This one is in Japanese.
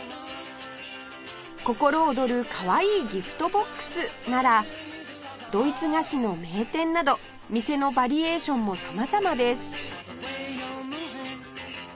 「心躍る可愛いギフトボックス」ならドイツ菓子の名店など店のバリエーションも様々です